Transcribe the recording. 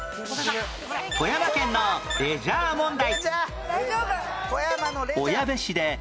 富山県のレジャー問題